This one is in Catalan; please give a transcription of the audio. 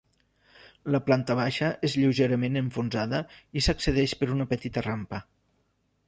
La planta baixa és lleugerament enfonsada i s'accedeix per una petita rampa.